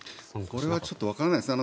これはちょっとわからないですね。